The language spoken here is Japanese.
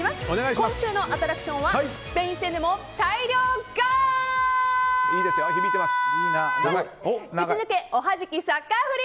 今週のアトラクションはスペイン戦でも大量ゴール！